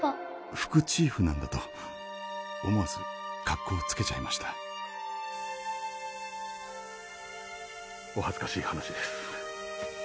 副チーフなんだと思わず格好つけちゃいましたお恥ずかしい話です